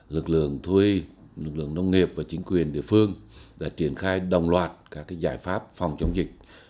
lực lượng thú y lực lượng nông nghiệp và chính quyền địa phương đã triển khai đồng loạt các giải pháp phòng chống dịch